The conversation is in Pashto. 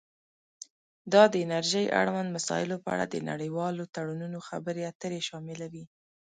دا د انرژۍ اړوند مسایلو په اړه د نړیوالو تړونونو خبرې اترې شاملوي